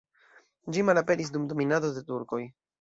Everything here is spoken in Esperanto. Ĝi malaperis dum dominado de turkoj.